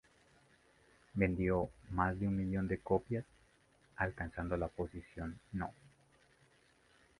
Vendió más de un millón de copias, alcanzando la posición No.